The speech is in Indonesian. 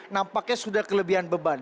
nampaknya sudah kelebihan beban